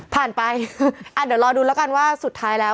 ไปอ่ะเดี๋ยวรอดูแล้วกันว่าสุดท้ายแล้ว